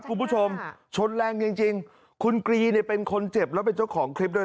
คุณผู้ชมชนแรงจริงจริงคุณกรีเนี่ยเป็นคนเจ็บแล้วเป็นเจ้าของคลิปด้วย